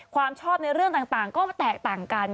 ความชอบในเรื่องต่างก็แตกต่างกัน